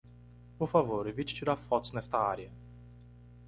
Por favor, evite tirar fotos nesta área.